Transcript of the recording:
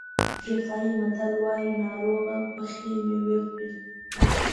افریقایي متل وایي ناروغه پخې مېوې خوري.